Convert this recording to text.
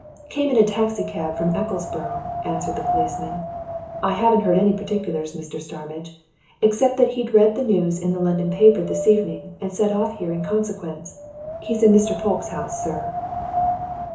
"Came in a taxi cab from Ecclesborough," answered the policeman. "I haven't heard any particulars, Mr. Starmidge, except that he'd read the news in the London paper this evening and set off here in consequence. He's in Mr. Polke's house, sir."